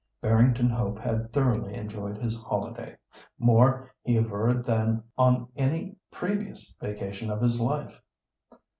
Barrington Hope had thoroughly enjoyed his holiday; more, he averred than on any previous vacation of his life.